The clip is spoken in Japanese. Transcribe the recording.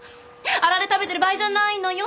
アラレ食べてる場合じゃないのよ！